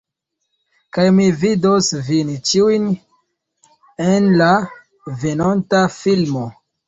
Kaj mi vidos vin ĉiujn, en la venonta filmo